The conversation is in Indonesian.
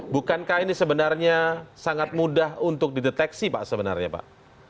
bukankah ini sebenarnya sangat mudah untuk dideteksi pak sebenarnya pak